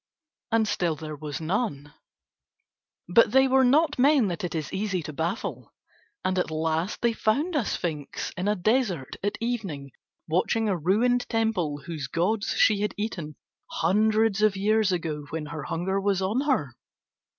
And still there was none. But they were not men that it is easy to baffle, and at last they found a sphinx in a desert at evening watching a ruined temple whose gods she had eaten hundreds of years ago when her hunger was on her.